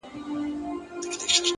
هره ورځ د مثبت اثر فرصت لري.